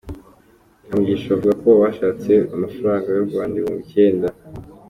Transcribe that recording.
Ubwo Michael Caine wakoraga icyo kiganiro yamubazaga bimwe.